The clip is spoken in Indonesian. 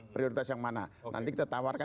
prioritas yang mana nanti kita tawarkan